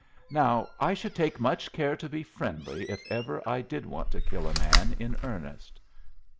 Now I should take much care to be friendly if ever I did want to kill a man in earnest.